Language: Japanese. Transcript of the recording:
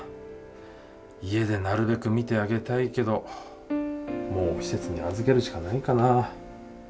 家でなるべく見てあげたいけどもう施設に預けるしかないかな。